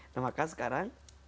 nah maka sekarang